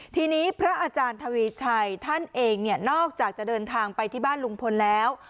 ทีนี้พระอาจารย์ทวีชัยท่านเองเนี่ยนอกจากจะเดินทางไปที่บ้านลุงพลแล้ว